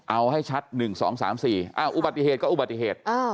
เอาให้ชัด๑๒๓๔อุบัติเหตุก็อุบัติเหตุ